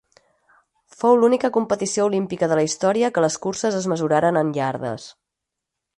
Fou l'única competició olímpica de la història que les curses es mesuraren en iardes.